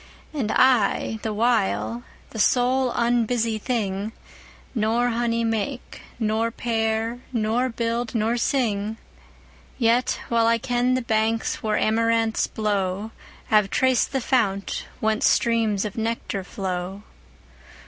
And I, the while, the sole unbusy thing, 5 Nor honey make, nor pair, nor build, nor sing. Yet well I ken the banks where amaranths blow, Have traced the fount whence streams of nectar flow.